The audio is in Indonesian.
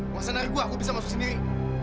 masa nanti gue aku bisa masuk sendiri